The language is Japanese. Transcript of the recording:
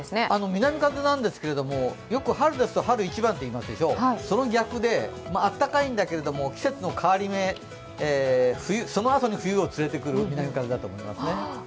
南風なんですけれども、よく、春ですと春一番と言いますでしょう、その逆で、あったかいんだけれども季節の変わり目、そのあとに冬を連れてくる南風だと思いますね。